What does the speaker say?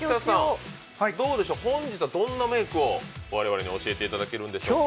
本日はどんなメークを我々に教えてもらえるんでしょうか。